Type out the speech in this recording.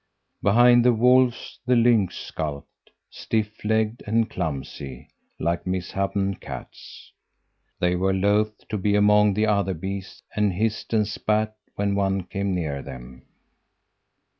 Behind the wolves the lynx skulked, stiff legged and clumsy, like misshapen cats. They were loath to be among the other beasts, and hissed and spat when one came near them.